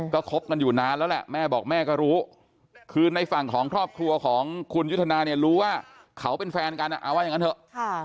ก็คบกันอยู่นานแล้วแหละแม่บอกแม่ก็รู้คือในฝั่งของครอบครัวของคุณยุทธนาเนี่ยรู้ว่าเขาเป็นแฟนกันเอาว่าอย่างนั้นเถอะ